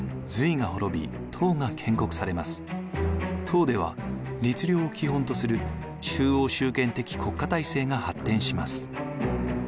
唐では律令を基本とする中央集権的国家体制が発展します。